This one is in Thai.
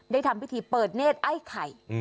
ทำพิธีเปิดเนธไอ้ไข่